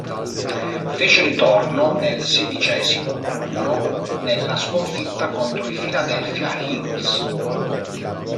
Fece ritorno nel sedicesimo turno nella sconfitta contro i Philadelphia Eagles.